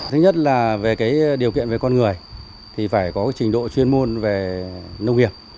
thứ nhất là về điều kiện về con người thì phải có trình độ chuyên môn về nông nghiệp